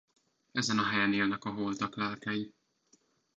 Ezen a helyen élnek a holtak lelkei.